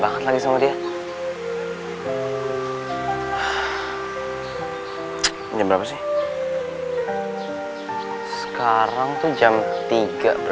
lihatlah foldsya kayak punya cuy tubuh